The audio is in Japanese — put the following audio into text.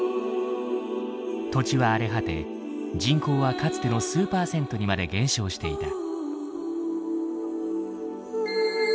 土地は荒れ果て人口はかつての数パーセントにまで減少していた。